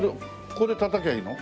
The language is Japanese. これ叩きゃいいの？